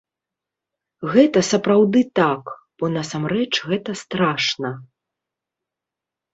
Гэта сапраўды так, бо насамрэч гэта страшна!